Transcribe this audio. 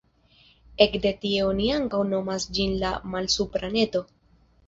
Ekde tie oni ankaŭ nomas ĝin la Malsupra Neto.